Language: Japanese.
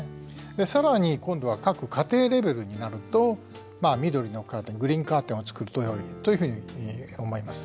でさらに今度は各家庭レベルになると緑のカーテングリーンカーテンを作るとよいというふうに思います。